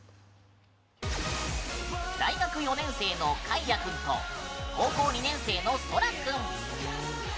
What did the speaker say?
大学４年生の、かいやくんと高校２年生の、そらくん。